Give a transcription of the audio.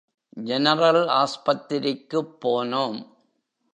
General ஆஸ்பத்திரிக்குப் போனோம்.